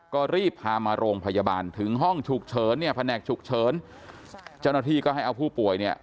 ก็รีบพามาโรงพยาบาลถึงห้องฉุกเฉินเนี่ยแผนกฉุกเฉินเจ้าหน้าที่ก็ให้เอาผู้ป่วยเนี่ย